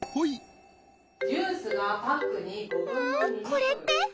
これって？